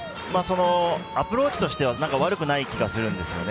アプローチとしては悪くないと思うんですね。